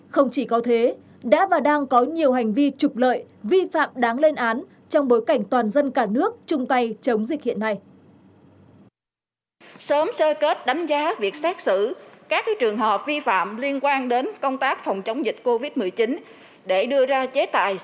không chỉ có thế đã và đang có nhiều hành vi trục lợi vi phạm đáng lên án trong bối cảnh toàn dân cả nước chung tay chống dịch hiện nay